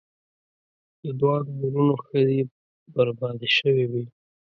د دواړو وروڼو ښځې بربادي شوې وې.